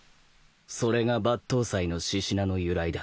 それが抜刀斎の志士名の由来だ。